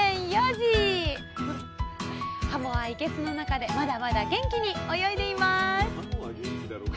はもは生けすの中でまだまだ元気に泳いでいます。